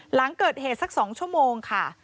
หลังเกิดเหตุสัก๒ชั่วโมงค่ะ